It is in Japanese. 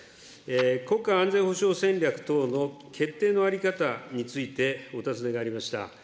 国家安全保障戦略等の決定の在り方について、お尋ねがありました。